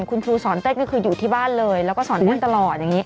คุณครูสอนเต้นก็คืออยู่ที่บ้านเลยแล้วก็สอนเต้นตลอดอย่างนี้